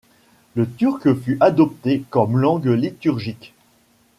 Le turc fut adopté comme langue liturgique.